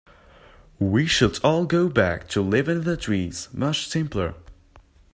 We should all go back to living in the trees, much simpler.